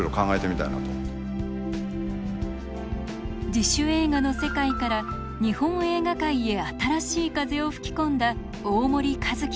自主映画の世界から日本映画界へ新しい風を吹き込んだ大森一樹さん。